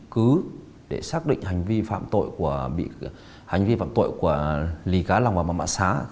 cứ để xác định hành vi phạm tội của lê cá lòng và mạ mạ xá